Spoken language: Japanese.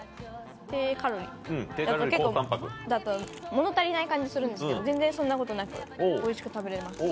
低カロリーだと結構物足りない感じするんですけど全然そんなことなくおいしく食べれます。